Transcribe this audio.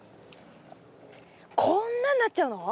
こんなんなっちゃうの？